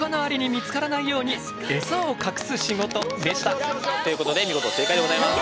というわけでということで見事正解でございます。